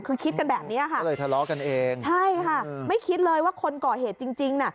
คือคิดกันแบบนี้ฮะใช่ฮะไม่คิดเลยว่าคนเกาะเหตุจริง